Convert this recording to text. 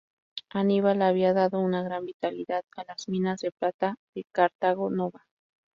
Aníbal había dado una gran vitalidad a las minas de plata de Carthago Nova.